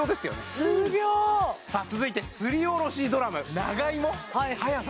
うん数秒さあ続いてすりおろしドラム長芋速さ